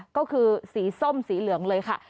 ก็คือสีส้มสีเหลืองเลยค่ะ